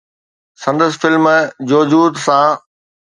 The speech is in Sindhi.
سندس فلم ”جوجود“ سان